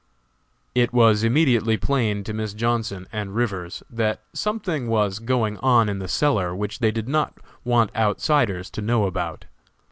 It was immediately plain to Miss Johnson and Rivers that something was going on in the cellar which they did not want outsiders to know about.